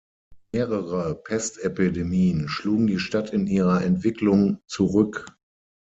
Mehrere Pestepidemien schlugen die Stadt in ihrer Entwicklung zurück.